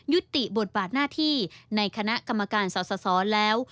ติบทบาทหน้าที่ในคณะกรรมการสสแล้ว